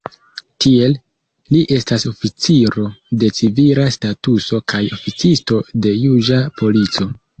Tiel, li estas oficiro de civila statuso kaj oficisto de juĝa polico.